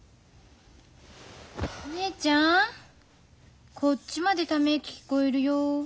お姉ちゃんこっちまでため息聞こえるよ。